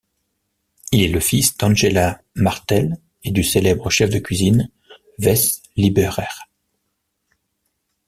Il est le fils d'Angela Martell et du célèbre chef de cuisine Wes Lieberher.